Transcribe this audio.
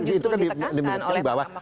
tapi itu kan diperhatikan bahwa